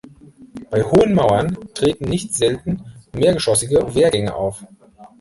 Bei hohen Mauern treten nicht selten mehrgeschossige Wehrgänge auf.